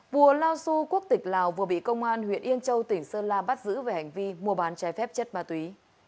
vua lao su quốc tịch lào vừa bị công an huyện yên châu tỉnh sơn la bắt giữ về hành vi mua bán trái phép chất ma túy